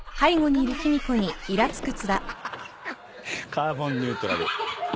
カーボンニュートラル。